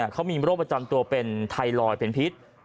เขามีโรครบาปจะเป็นไทรลอยเป็นพิษ